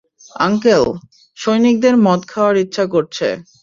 Uncle, সৈনিকদের মদ খাওয়ার ইচ্ছা করছে।